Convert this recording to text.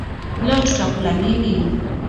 Leo tutakula nini?